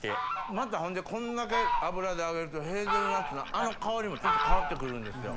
またほんでこんだけ油で揚げるとヘーゼルナッツのあの香りもちょっと変わって来るんですよ。